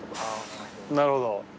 なるほど。